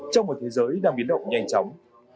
trong một thế giới đang biến động nhanh chóng